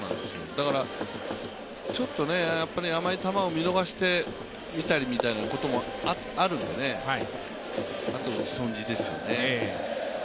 だからちょっと甘い球を見逃してみたりみたいなこともあるので、あと打ち損じですよね。